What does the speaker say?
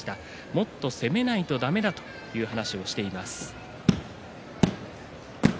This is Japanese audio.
もっと攻めないとだめだという話をしています。